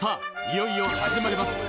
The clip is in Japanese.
いよいよ始まります